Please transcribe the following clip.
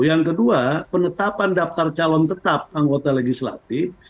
yang kedua penetapan daftar calon tetap anggota legislatif